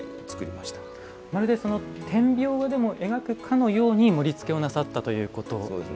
まるで点描画でも描くかのように盛りつけをなさったということですか。